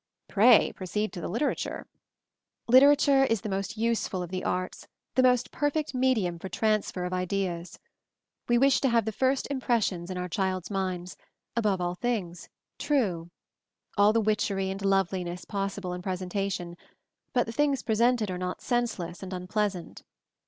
Pray proceed to the liter ature r "Literature is the most useful of the arts —the most perfect medium for transfer of ideas. We wish to have the first impressions in our children's minds, above all things, true. All the witchery and loveliness pos sible in presentation — but the things pre sented are not senseless and unpleasant.